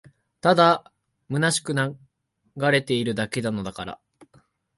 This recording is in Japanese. ただ空しく流れているだけなのだから